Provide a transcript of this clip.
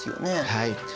はい。